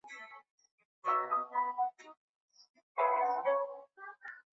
操作系统的历史在某种意义上来说也是计算机的历史。